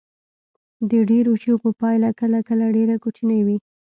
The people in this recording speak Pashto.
د ډیرو چیغو پایله کله کله ډیره کوچنۍ وي.